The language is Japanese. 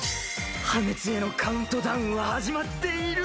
破滅へのカウントダウンは始まっている？